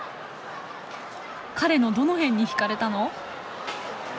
彼のどの辺に惹かれたの？